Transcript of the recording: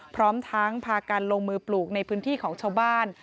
พร้อมทั้งพากันลงมือปลูกในพื้นที่ของชาวบ้าน